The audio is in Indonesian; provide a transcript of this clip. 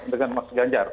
dengan mbak ganjar